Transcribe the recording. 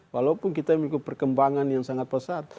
walaupun kita mengikuti perkembangan yang sangat besar